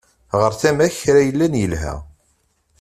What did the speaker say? Ɣer tama-k kra yellan yelha.